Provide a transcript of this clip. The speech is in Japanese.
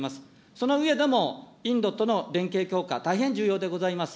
その上でも、インドとの連携強化、大変重要でございます。